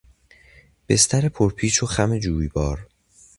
بستر پرپیچ و خم جویبار